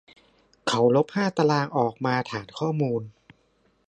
เขาลบห้าตารางออกมาฐานข้อมูล